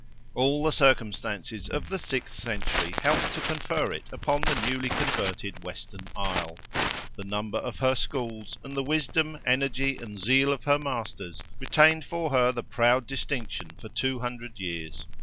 All the circumstances of the sixth century helped to confer it upon the newly converted western isle; the number of her schools, and the wisdom, energy, and zeal of her masters, retained for her the proud distinction for two hundred years.